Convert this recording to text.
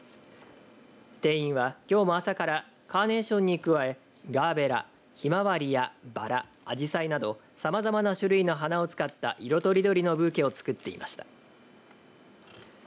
店員は、きょうも朝からカーネーションに加えガーベラ、ひまわりやバラあじさいなどさまざまな種類の花を使った色とりどりのブーケをつくっていました。